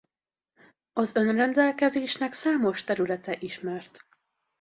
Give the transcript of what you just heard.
Az önrendelkezésnek számos területe ismert.